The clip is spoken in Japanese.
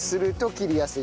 切りやすい？